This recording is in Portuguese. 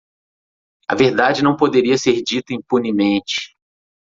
A verdade não poderia ser dita impunemente.